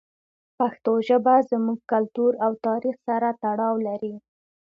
پښتو ژبه زموږ کلتور او تاریخ سره تړاو لري.